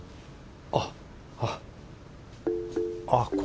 あっあぁ。